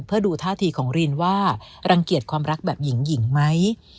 เพื่อดูท่าทีของรีนว่ารังเกียจความรักแบบหญิงไหม